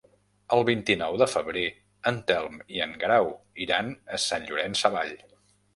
El vint-i-nou de febrer en Telm i en Guerau iran a Sant Llorenç Savall.